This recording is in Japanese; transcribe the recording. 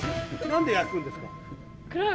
なんで焼くんですか。